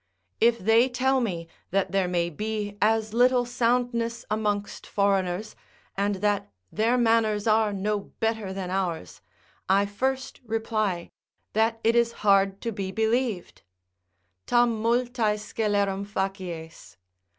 If they tell me that there may be as little soundness amongst foreigners, and that their manners are no better than ours: I first reply, that it is hard to be believed; "Tam multa: scelerum facies!"